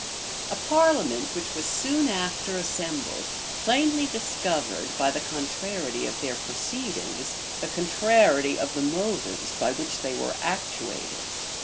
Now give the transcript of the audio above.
A parliament, which was soon after assembled, plainly discovered, by the contrariety of their proceedings, the contrariety of the motives by which they were actuated.